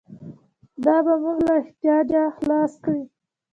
دا به موږ له احتیاجه خلاص کړي.